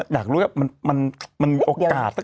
อยากรู้ว่ามันมีโอกาส